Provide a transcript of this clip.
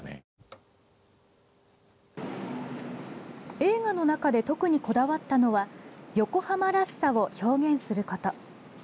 映画の中で特にこだわったのは横浜らしさを表現すること。